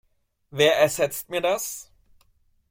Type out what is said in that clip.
Wer ersetzt mir das?